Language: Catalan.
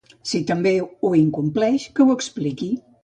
Si també ho incompleix, que ho expliqui.